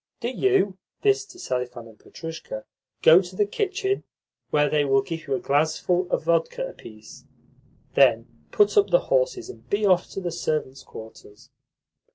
"Do you" (this to Selifan and Petrushka) "go to the kitchen, where they will give you a glassful of vodka apiece. Then put up the horses, and be off to the servants' quarters."